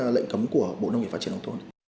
lệnh cấm của bộ nông nghiệp phát triển nông thôn